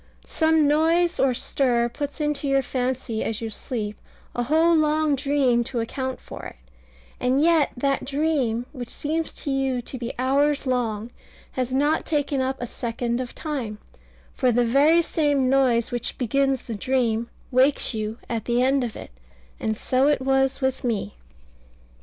Some noise or stir puts into your fancy as you sleep a whole long dream to account for it; and yet that dream, which seems to you to be hours long, has not taken up a second of time; for the very same noise which begins the dream, wakes you at the end of it: and so it was with me.